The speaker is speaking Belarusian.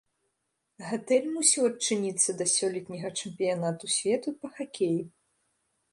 Гатэль мусіў адчыніцца да сёлетняга чэмпіянату свету па хакеі.